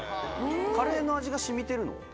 カレーの味がしみてるの？